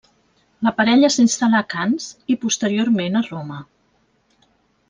La parella s'instal·là a Canes i posteriorment a Roma.